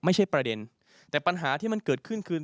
ไม่ใช่ประเด็นแต่ปัญหาที่มันเกิดขึ้นคือ